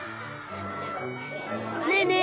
ねえねえ